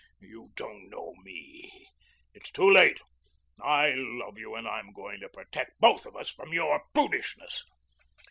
You don't know me. It's too late. I love you and I'm going to protect both of us from your prudishness."